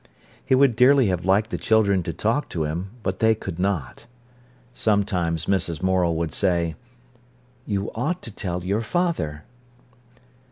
He would dearly have liked the children to talk to him, but they could not. Sometimes Mrs. Morel would say: "You ought to tell your father."